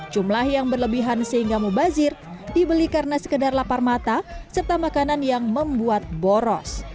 jumlah yang berlebihan sehingga mubazir dibeli karena sekedar lapar mata serta makanan yang membuat boros